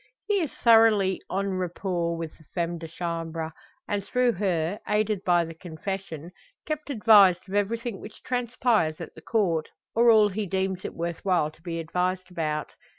He is thoroughly en rapport with the femme de chambre and through her, aided by the Confession, kept advised of everything which transpires at the Court, or all he deems it worth while to be advised about.